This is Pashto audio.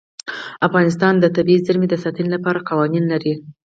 افغانستان د طبیعي زیرمې د ساتنې لپاره قوانین لري.